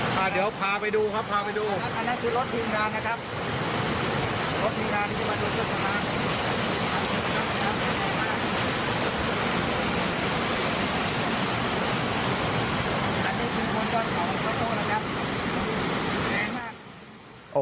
สวัสดีครับ